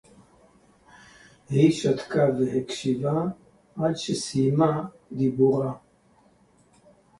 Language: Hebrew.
הִיא שָׁתְקָה וְהִקְשִׁיבָה עַד שֶׁסִּייְּמָה דִּיבּוּרָהּ.